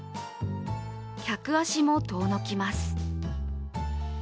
客足も遠のきます。